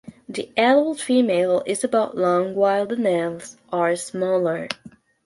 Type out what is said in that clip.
The adult female is about long while the nymphs are smaller.